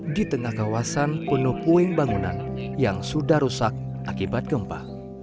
di tengah kawasan penuh puing bangunan yang sudah rusak akibat gempa